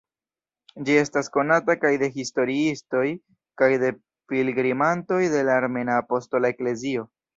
Ĝi estas konata kaj de historiistoj kaj de pilgrimantoj de la Armena Apostola Eklezio.